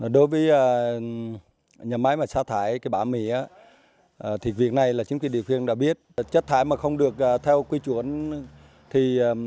đối với nhà máy mà xác thải cái bã mì thì việc này là chính quyền địa phương đã biết chất thải mà không được theo quy chuẩn thì